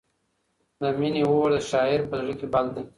د مینې اور د شاعر په زړه کې بل دی.